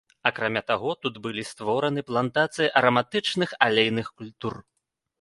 Акрамя таго, тут былі створаны плантацыі араматычных алейных культур.